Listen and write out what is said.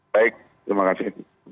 baik terima kasih